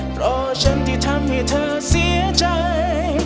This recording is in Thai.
เพราะฉันที่ทำให้เธอเสียใจ